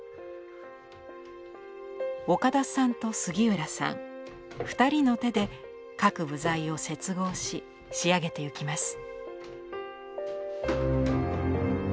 岡田さんと杉浦さん２人の手で各部材を接合し仕上げていきます。